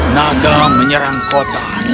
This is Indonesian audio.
naga menyerang kota